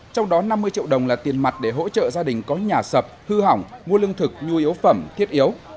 trong đó năm mươi triệu đồng là tiền mặt để hỗ trợ gia đình có nhà sập hư hỏng mua lương thực nhu yếu phẩm thiết yếu